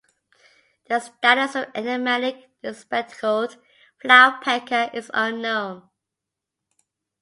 The status of the enigmatic spectacled flowerpecker is unknown.